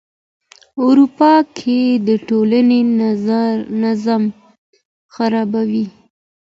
اورپکي د ټولنې نظم خرابوي.